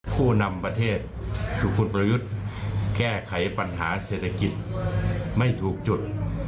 ผู้นำประเทศคือคุณประยุทธ์แก้ไขปัญหาเศรษฐกิจไม่ถูกจุด